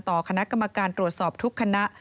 คณะกรรมการตรวจสอบทุกคณะ